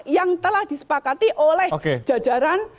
yang telah disepakati oleh jajaran